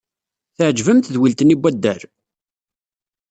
Teɛjeb-am tedwilt-nni n waddal?